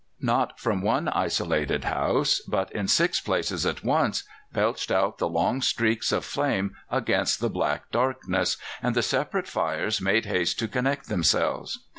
Not from one isolated house, but in six places at once, belched out the long streaks of flame against the black darkness, and the separate fires made haste to connect themselves.